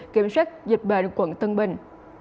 kiểm soát dịch bệnh quận tân bình